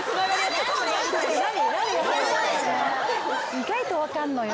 意外と分かんのよ。